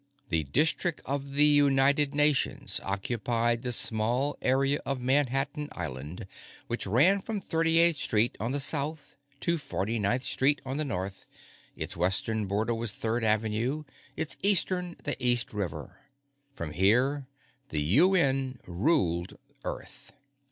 The District of the United Nations occupied the small area of Manhattan Island which ran from 38th Street on the south to 49th Street on the north; its western border was Third Avenue, its eastern, the East River. From here, the UN ruled Earth.